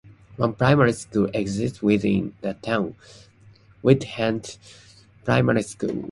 One primary school exists within the town - Whitehead Primary School.